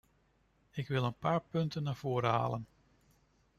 Ik wil een paar punten naar voren halen.